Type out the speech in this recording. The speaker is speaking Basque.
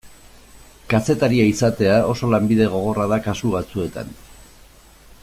Kazetaria izatea oso lanbide gogorra da kasu batzuetan.